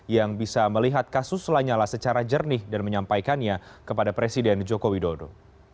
yang bisa melihat kasus lanyala secara jernih dan menyampaikannya kepada presiden joko widodo